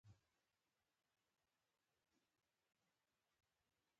انجنیر محمد نعیم سلیمي، مرحوم نایب الحکومه